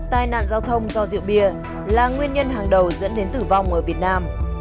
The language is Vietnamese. tai nạn giao thông do rượu bia là nguyên nhân hàng đầu dẫn đến tử vong ở việt nam